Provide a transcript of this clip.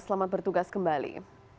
selamat bertugas kembali